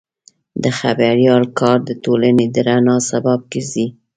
د خبریال کار د ټولنې د رڼا سبب ګرځي.